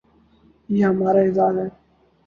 یہ ہمارا ہی اعزاز ہے۔